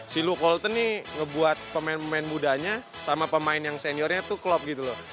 si lu callton nih ngebuat pemain pemain mudanya sama pemain yang seniornya tuh klop gitu loh